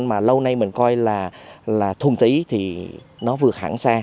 mà lâu nay mình coi là thuần tí thì nó vượt hẳn xa